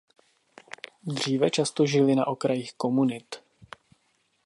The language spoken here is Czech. Dříve často žili na okrajích komunit.